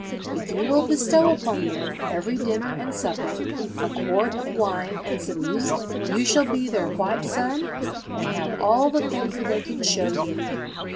If you will bestow upon them, every dinner and supper, a quart of wine and some music, you shall be their white son, and have all the favour they can show you.'"